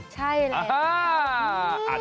ใช่แหละ